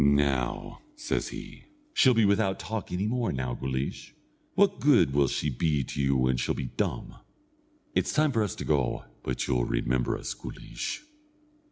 "Now," says he, "she'll be without talk any more; now, Guleesh, what good will she be to you when she'll be dumb? It's time for us to go but you'll remember us, Guleesh!"